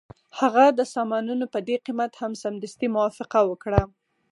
هغه د سامانونو په دې قیمت هم سمدستي موافقه وکړه